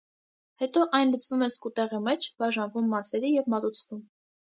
Հետո այն լցվում է սկուտեղի մեջ, բաժանվում մասերի և մատուցվում։